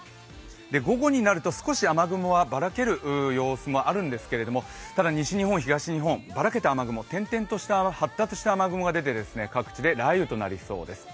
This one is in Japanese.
午後になると少し雨雲はばらける様子もあるんですけれどもただ西日本、東日本ばらけた雨雲、発達した雨雲が出て各地で雷雨となりそうです。